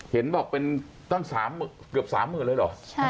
เห็นบอกเป็นเกือบ๓หมื่นเลยหรอ